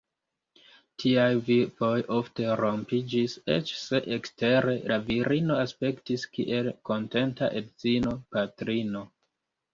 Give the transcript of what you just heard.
Tiaj vivoj ofte rompiĝis, eĉ se ekstere la virino aspektis kiel kontenta edzino, patrino.